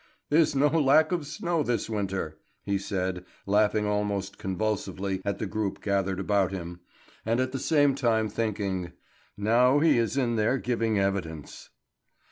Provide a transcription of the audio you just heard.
"There's no lack of snow this winter," he said, laughing almost convulsively at the group gathered about him, and at the same time thinking: "Now he is in there giving evidence."